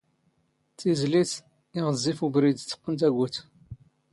ⵜⵉⵣⵍⵉⵜ: ⵉⵖⵣⵣⵉⴼ ⵓⴱⵔⵉⴷ, ⵜⵇⵇⵏ ⵜⴰⴳⵓⵜ